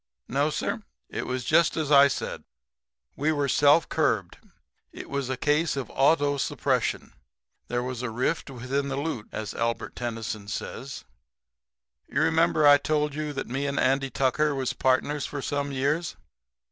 "No, sir, it was just as I said. We were self curbed. It was a case of auto suppression. There was a rift within the loot, as Albert Tennyson says. "You remember I told you that me and Andy Tucker was partners for some years.